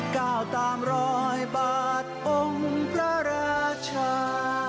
ก้าวตามรอยบาทองค์พระราชา